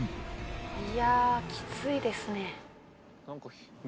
いやぁきついですね。